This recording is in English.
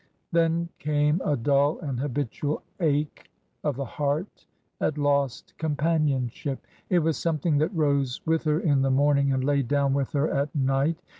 Then came a dull and habitual ache of the heart at lost companionship ; it was something that rose with her in the morning and lay down with her at night.